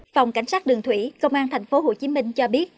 phòng cảnh sát đường thủy công an tp hcm cho biết